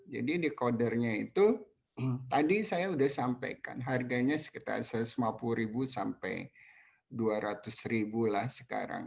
jadi decodernya itu tadi saya sudah sampaikan harganya sekitar rp satu ratus lima puluh sampai rp dua ratus lah sekarang